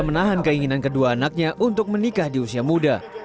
menahan keinginan kedua anaknya untuk menikah di usia muda